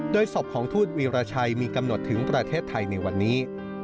โดยศพของทูตวีรชัยมีกำหนดถึงประเทศไทยในวันนี้